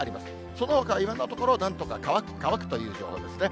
そのほか、いろんな所、なんとか乾く、乾くという情報ですね。